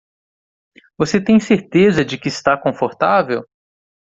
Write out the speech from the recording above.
Você tem certeza de que está confortável?